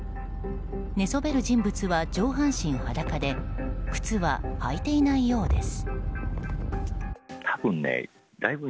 寝そべる人物は上半身裸で靴は履いていないようです。